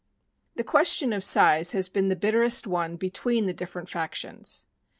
The question of size has been the bitterest one between the different factions.